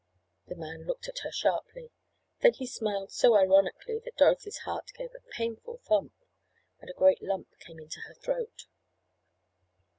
The man looked at her sharply. Then he smiled so ironically that Dorothy's heart gave a painful thump, and a great lump came into her throat.